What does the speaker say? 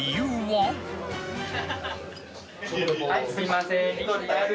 はいすいません。